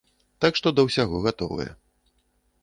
Так што да ўсяго гатовыя.